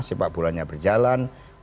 sepak bulannya berjalan